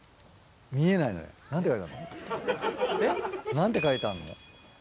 何て書いてあるの？